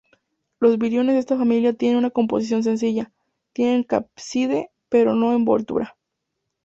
Los viriones de esta familia tienen una composición sencilla: tienen cápside pero no envoltura.